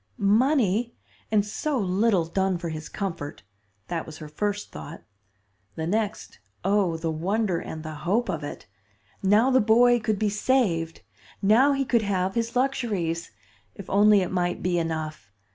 Money! and so little done for his comfort! That was her first thought. The next, oh, the wonder and the hope of it! Now the boy could be saved; now he could have his luxuries. If only it might be enough!